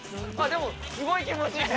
でも、すごい気持ちいい。